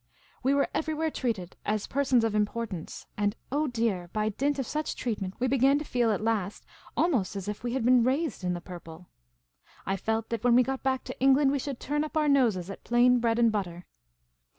We were everywhere treated as persons of importance ; and, oh dear, by dint of such treatment we began to feel at last almost as if we had been raised in the purple. I felt that when we got back to England we should turn up our noses at plain bread and butter.